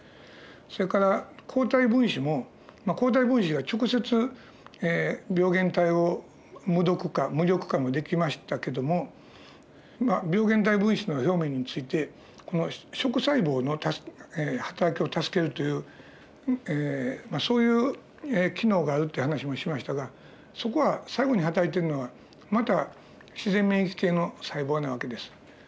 それから抗体分子もまあ抗体分子は直接病原体を無毒化無力化もできましたけども病原体分子の表面についてこの食細胞のはたらきを助けるというそういう機能があるっていう話もしましたがそこは最後にはたらいているのはまた自然免疫系の細胞な訳です。